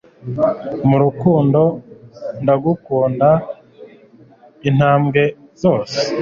mu rukundo. Ndagukunda intambwe zose